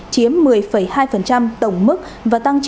chiếm một mươi hai tổng mức tăng